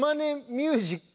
ミュージック？